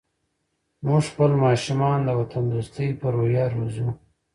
موږ خپل ماشومان د وطن دوستۍ په روحیه روزو.